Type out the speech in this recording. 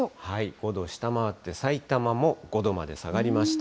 ５度下回って、さいたまも５度まで下がりました。